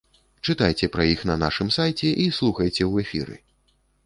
Чытайце пра іх на нашым сайце і слухайце ў эфіры!